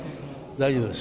大丈夫です。